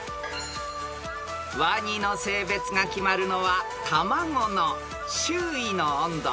［ワニの性別が決まるのは卵の周囲の温度？